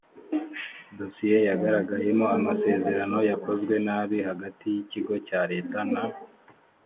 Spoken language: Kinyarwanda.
dosiye yagaragayemo amasezerano yakozwe nabi hagati y ikigo cya leta na